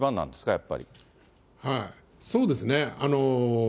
そうですね。